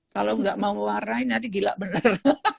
kalau gak mau mewarnai nanti gila bener